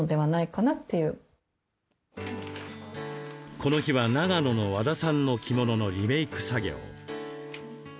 この日は長野の和田さんの着物のリメーク作業。